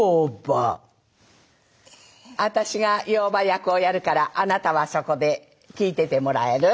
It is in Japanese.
私が妖婆役をやるからあなたはそこで聞いててもらえる？